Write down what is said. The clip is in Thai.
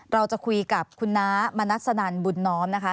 เราจะคุยกับคุณน้ามณัสนันบุญน้อมนะคะ